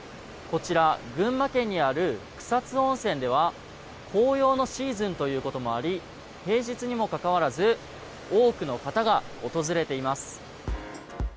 こちら、群馬県にある草津温泉では紅葉のシーズンということもあり平日にもかかわらず多くの方が訪れています。